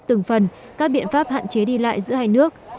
từng phần các biện pháp hạn chế đi lại giữa hai nước